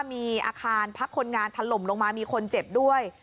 มีอาคารพักคนงานถล่มลงมามีคนเจ็บด้วย